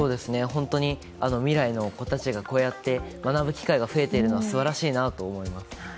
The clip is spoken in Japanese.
本当に未来の子たちがこうやって学ぶ機会が増えているのはすばらしいなと思います。